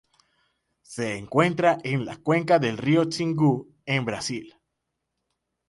Se encuentra en la cuenca del río Xingú, en Brasil.